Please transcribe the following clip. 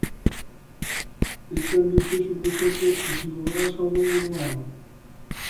Este ambicioso proxecto desenvolverase ao longo dun ano.